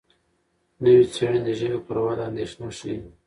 نوې څېړنې د ژبې پر وده اندېښنه ښيي.